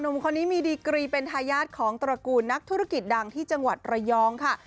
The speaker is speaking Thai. คนนี้มีดีกรีเป็นทายาทของตระกูลนักธุรกิจดังที่จังหวัดระยองค่ะ